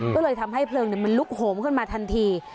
ก็เลยทำให้มันลุกห่มขึ้นมาทันที